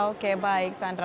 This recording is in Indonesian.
oke baik sandra